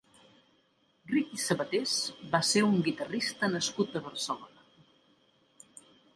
Riqui Sabatés va ser un guitarrista nascut a Barcelona.